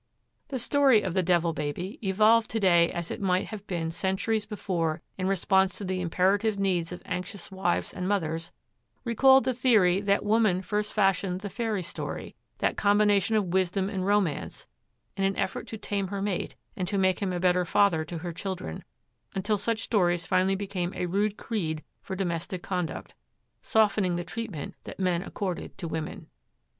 The story of the Devil Baby, evolved to day as it might have been centuries before in response to the imperative needs of anxious wives and mothers, recalled the theory that woman first fashioned the fairy story, that combination of wisdom and romance, in an effort to tame her mate and to make him a better father to her children, until such stories finally became a rude creed for domestic conduct, softening the treatment that men accorded to women.